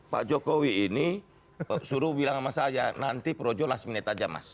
pak jokowi ini suruh bilang sama saya nanti projo last minute aja mas